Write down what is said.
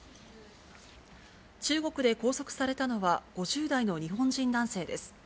中国で拘束されたのは、５０代の日本人男性です。